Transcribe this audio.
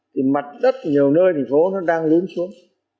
thì mặt đất nhiều nơi thành phố nó đang lún xuống